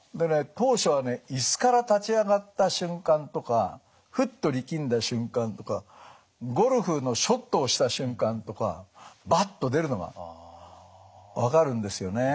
当初はね椅子から立ち上がった瞬間とかふっと力んだ瞬間とかゴルフのショットをした瞬間とかバッと出るのが分かるんですよね。